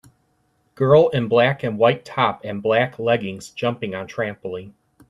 Girl in black and white top and black leggings jumping on trampoline.